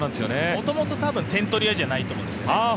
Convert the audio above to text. もともと点取り屋じゃないと思うんですよね。